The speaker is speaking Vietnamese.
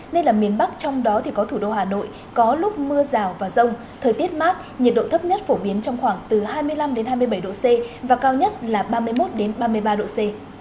nên là miền bắc trong đó thì có thủ đô hà nội có lúc mưa rào và rông thời tiết mát nhiệt độ thấp nhất phổ biến trong khoảng từ hai mươi năm hai mươi bảy độ c và cao nhất là ba mươi một ba mươi ba độ c